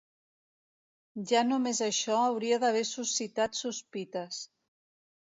Ja només això hauria d'haver suscitat sospites.